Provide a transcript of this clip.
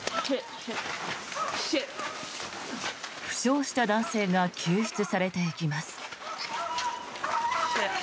負傷した男性が救出されていきます。